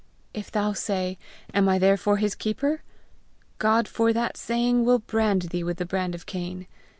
If thou say, 'Am I therefore his keeper?' God for that saying will brand thee with the brand of Cain.